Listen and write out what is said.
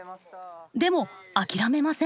でも諦めません。